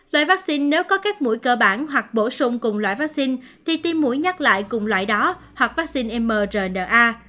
loại vaccine nếu có các mũi cơ bản hoặc bổ sung cùng loại vaccine thì tiêm mũi nhắc lại cùng loại đó hoặc vaccine mrna